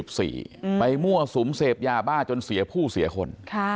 ไปมั่วสุมเสพยาบ้าจนเสียผู้เสียคน